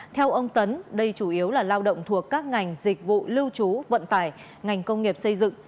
theo ông tấn đây chủ yếu là lao động thuộc các ngành dịch vụ lưu trú vận tải ngành công nghiệp xây dựng